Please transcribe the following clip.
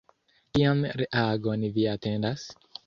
Kian reagon vi atendas?